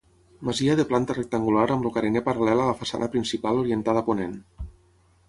Masia de planta rectangular amb el carener paral·lel a la façana principal orientada a ponent.